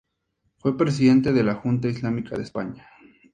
Fue presidente de la Junta Islámica de España.